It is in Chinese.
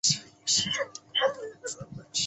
市内的气候颇为温和。